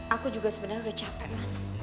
aku juga sebenarnya udah capek mas